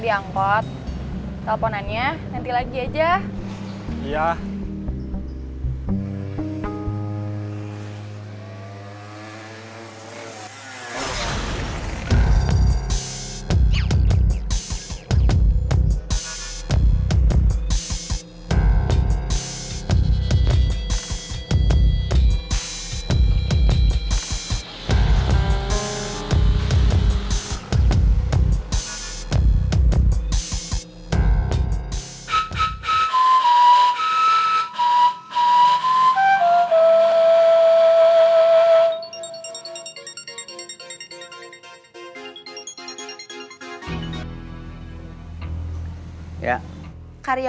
dan aktifkan notifikasi